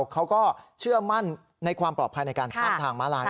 เขาก็เชื่อมั่นในความปลอดภัยในการข้ามทางม้าลาย